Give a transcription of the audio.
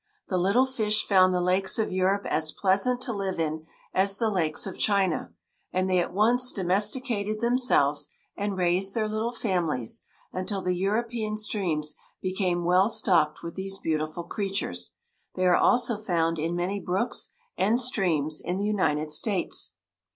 The little fish found the lakes of Europe as pleasant to live in as the lakes of China, and they at once domesticated themselves, and raised their little families, until the European streams became well stocked with these beautiful creatures. They are also found in many brooks and streams in the United States.